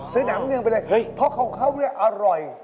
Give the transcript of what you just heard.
สนามเนืองไปเลยเพราะของเขาเนี่ยอร่อย